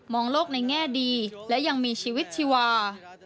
องโลกในแง่ดีและยังมีชีวิตชีวา